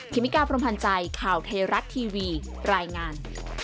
เมกาพรมพันธ์ใจข่าวเทราะทีวีรายงาน